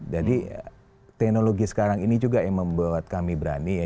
jadi teknologi sekarang ini juga yang membuat kami berani ya